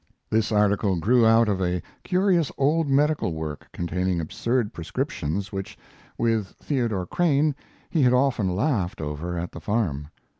This article grew out of a curious old medical work containing absurd prescriptions which, with Theodore Crane, he had often laughed over at the farm.